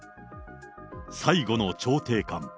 最後の調停官。